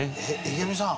池上さん